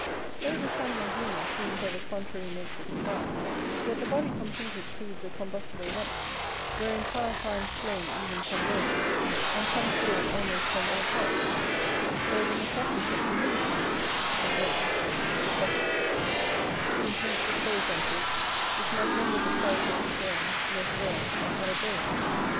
Though the seminal humour seems of a contrary nature to fire, yet the body completed proves a combustible lump, wherein fire finds flame even from bones, and some fuel almost from all parts; though the metropolis of humidity[BC] seems least disposed unto it, which might render the skulls of these urns less burned than other bones.